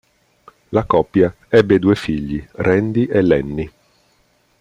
La coppia ebbe due figli, Randy e Lanny.